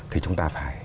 thì chúng ta phải